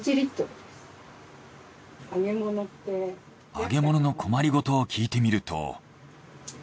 揚げ物の困りごとを聞いてみると。